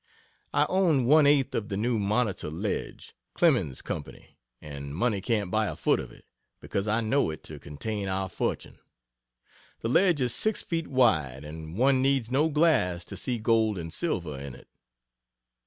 I own one eighth of the new "Monitor Ledge, Clemens Company," and money can't buy a foot of it; because I know it to contain our fortune. The ledge is six feet wide, and one needs no glass to see gold and silver in it.